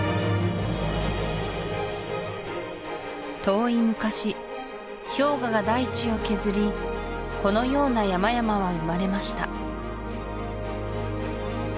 遠い昔氷河が大地を削りこのような山々は生まれました